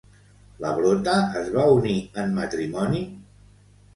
L'Abrota es va unir en matrimoni?